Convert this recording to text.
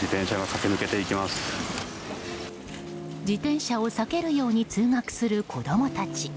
自転車を避けるように通学する子供たち。